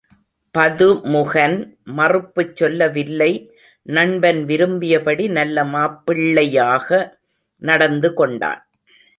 பதுமுகன் மறுப்புச் சொல்லவில்லை நண்பன் விரும்பியபடி நல்ல மாப்பிள்ளையாக நடந்துகொண்டான்.